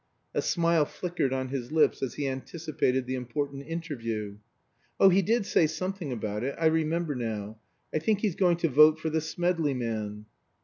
A smile flickered on his lips, as he anticipated the important interview. "Oh, he did say something about it. I remember now. I think he's going to vote for the Smedley man."